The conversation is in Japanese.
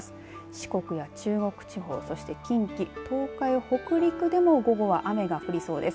四国や中国地方そして近畿、東海、北陸でも午後は雨が降りそうです。